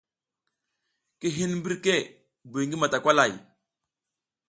Ki hin mbirke buy ngi matakwalay.